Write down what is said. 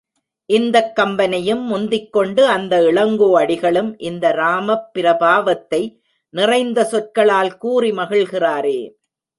இந்தக் கம்பனையும் முந்திக்கொண்டு அந்த இளங்கோ அடிகளும் இந்த ராமப் பிரபாவத்தை நிறைந்த சொற்களால் கூறி மகிழ்கிறாரே.